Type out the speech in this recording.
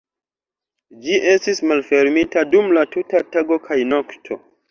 Ĝi estis malfermita dum la tuta tago kaj nokto.